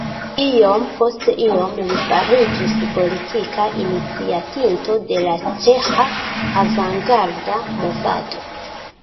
Iom post iom li fariĝis politika iniciatinto de la ĉeĥa avangarda movado.